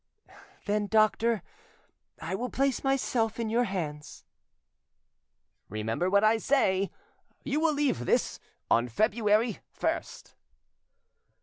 "Then, doctor, I will place myself in your hands." "Remember what I say. You will leave this on February 1st."